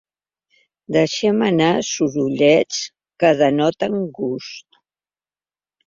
Deixem anar sorollets que denoten gust.